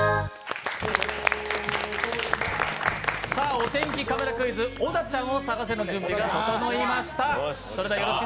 お天気カメラクイズ、「オダチャンを探せ！」の準備が整いました。